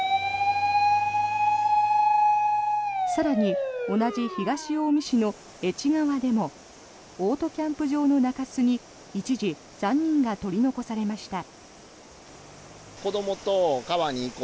更に同じ東近江市の愛知川でもオートキャンプ場の中州に一時、３人が取り残されました。